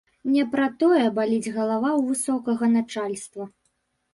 Не пра тое баліць галава ў высокага начальства.